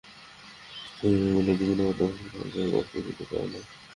কিন্তু তুমি, মেয়েগুলোর জীবনের কথা ভেবে, তাদের কষ্ট দিতে চাও না।